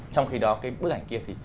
trong khi đó cái bức ảnh kia thì